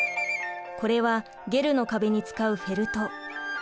これはゲルの壁に使うフェルト。